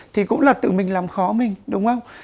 thì cũng là tự mình làm khó mình đúng không